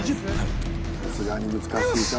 さすがに難しいか。